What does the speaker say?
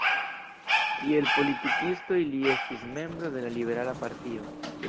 Kiel politikistoj li estis membro de la liberala partio.